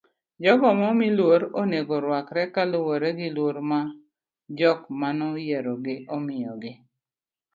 jogo momi luor onego ruakre kaluwore gi luor ma jok manoyierogi omiyogi